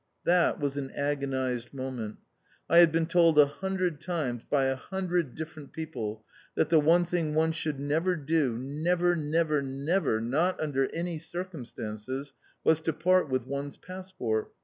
That was an agonized moment. I had been told a hundred times by a hundred different people that the one thing one should never do, never, never, never, not under any circumstances, was to part with one's passport.